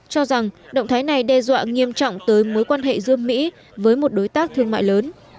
cho rằng động thái này đe dọa nghiêm trọng tới mối quan hệ giữa mỹ với một đối tác thương mại lớn